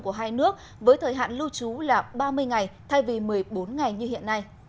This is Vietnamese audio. của hai nước với thời hạn lưu trú là ba mươi ngày thay vì một mươi bốn ngày như hiện nay